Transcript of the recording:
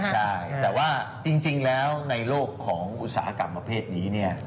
ใช่แต่ว่าจริงแล้วในโลกของอุตสาหกรรมประเภทนี้เนี่ย